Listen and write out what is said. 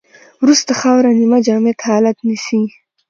وروسته خاوره نیمه جامد حالت نیسي